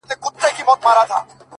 هو رشتيا،